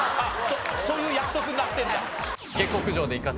そういう約束になってるんだ。